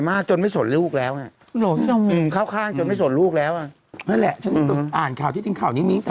ไม่ใจว่าไม่ขาดหรอแม่